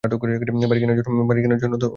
বাড়ি কিনার জন্য তো আর জমাসনি।